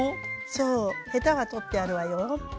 そうへたは取ってあるわよ。